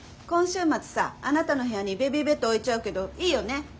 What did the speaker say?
今週末さあなたの部屋にベビーベッド置いちゃうけどいいよね？